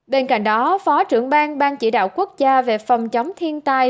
bên cạnh đó phó trưởng bang ban chỉ đạo quốc gia về phòng chống thiên tai